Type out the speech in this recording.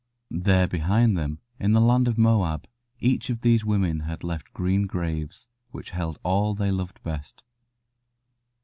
There behind them, in the land of Moab, each of these women had left green graves, which held all they loved best.